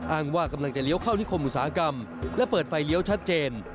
ว่ากำลังจะเลี้ยวเข้านิคมอุตสาหกรรมและเปิดไฟเลี้ยวชัดเจน